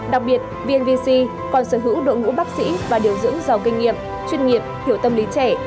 đặc biệt vnvc còn sở hữu đội ngũ bác sĩ và điều dưỡng giàu kinh nghiệm chuyên nghiệp hiểu tâm lý trẻ